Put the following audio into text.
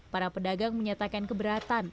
para pedagang menyatakan